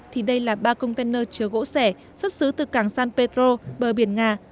thì đây là ba container chứa gỗ sẻ xuất xứ từ cảng san petro bờ biển nga